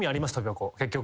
結局。